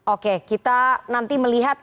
oke kita nanti melihat